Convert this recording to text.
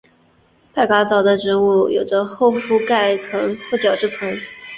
派卡藻的植物体有着厚覆盖层或角质层。